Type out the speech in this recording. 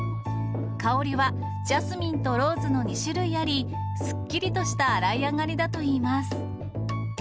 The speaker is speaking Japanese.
香りはジャスミンとローズの２種類あり、すっきりとした洗い上がりだといいます。